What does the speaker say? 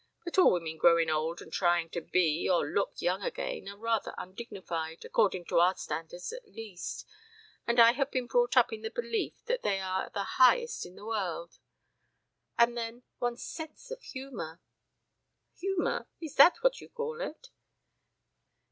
But all women growing old and trying to be or to look young again are rather undignified according to our standards at least, and I have been brought up in the belief that they are the highest in the world. And then, one's sense of humor !" "Humor? Is that what you call it?"